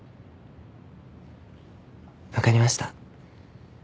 分かりました。